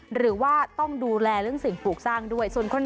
หรือว่าต้องดูแลเรื่องสิ่งผูกสร้างด้วยส่วนคนในเมือง